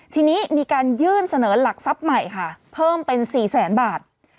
ทีนี้มีการยื่นเสนอหลักทรัพย์ใหม่ค่ะเพิ่มเป็น๔แสนบาท